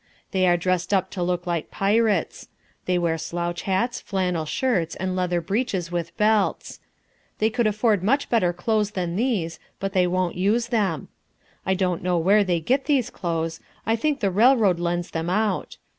They are dressed up to look like pirates. They wear slouch hats, flannel shirts, and leather breeches with belts. They could afford much better clothes than these, but they won't use them. I don't know where they get these clothes. I think the railroad lends them out.